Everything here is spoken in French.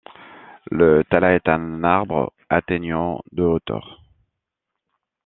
Le tala est un arbre atteignant de hauteur.